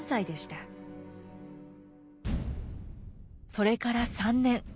それから３年。